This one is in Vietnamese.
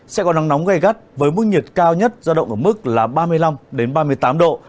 sẽ có nắng nóng gai gắt với mức nhiệt cao nhất ra động ở mức ba mươi năm ba mươi tám độ